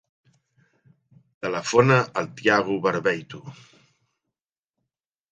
Telefona al Thiago Barbeito.